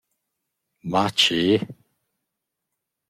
Ma che?